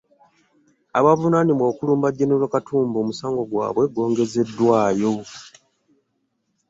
Abavunaanibwa okulumba jenero Katumba omusango gwabwe gwongezeddwayo.